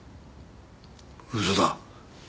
嘘だ。